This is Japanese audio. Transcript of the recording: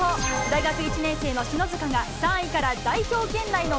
大学１年生の篠塚が、３位から代こんばんは。